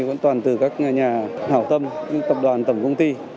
vẫn toàn từ các nhà hảo tâm những tập đoàn tổng công ty